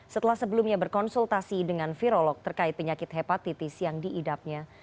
setelah sebelumnya berkonsultasi dengan virolog terkait penyakit hepatitis yang diidapnya